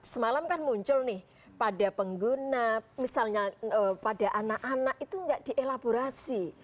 semalam kan muncul nih pada pengguna misalnya pada anak anak itu tidak dielaborasi